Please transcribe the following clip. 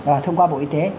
và thông qua bộ y tế